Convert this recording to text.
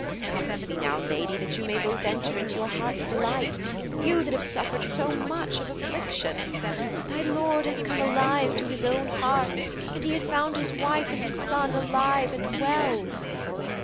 Come with me now, lady, that you may both enter into your heart's delight you that have suffered so much of affliction. Thy lord hath come alive to his own hearth, and he hath found his wife and his son alive and well.'